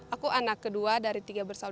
aku anak kedua dari tiga bersama